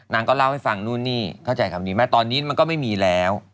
ก็เล่าให้ฟังนู่นนี่เข้าใจคำนี้ไหมตอนนี้มันก็ไม่มีแล้ว